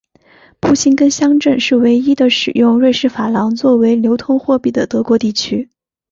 布辛根乡镇是唯一的使用瑞士法郎作为流通货币的德国地区。